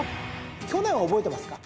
去年は覚えてますか？